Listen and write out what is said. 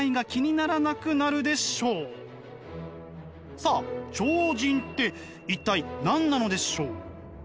さあ超人って一体何なのでしょう？